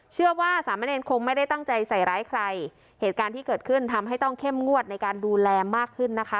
เชื่อว่าสามเณรคงไม่ได้ตั้งใจใส่ร้ายใครเหตุการณ์ที่เกิดขึ้นทำให้ต้องเข้มงวดในการดูแลมากขึ้นนะคะ